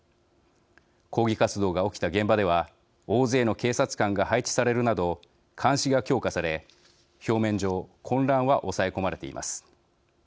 抗議活動が起きた現場では大勢の警察官が配置されるなど監視が強化され、表面上混乱は抑え込まれています。